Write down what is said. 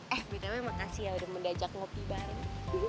eh minta minta makasih ya udah mendajak ngopi bareng